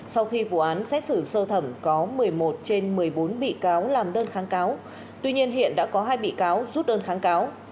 sau khi vụ án xét xử sơ thẩm có một mươi một trên một mươi bốn bị cáo làm đơn kháng cáo tuy nhiên hiện đã có hai bị cáo rút đơn kháng cáo